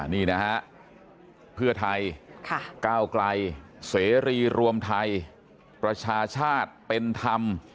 นี่นะฮะเพื่อไทยก้าวไกลเสรีรวมไทยประชาชาติเป็นธรรม